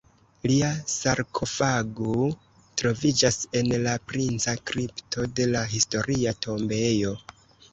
Lia sarkofago troviĝas en la Princa kripto de la historia tombejo.